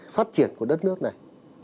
phát triển của đất nước này